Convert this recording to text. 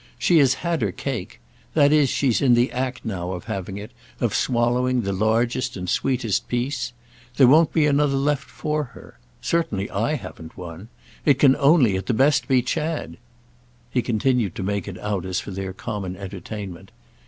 She has had her cake; that is she's in the act now of having it, of swallowing the largest and sweetest piece. There won't be another left for her. Certainly I haven't one. It can only, at the best, be Chad." He continued to make it out as for their common entertainment.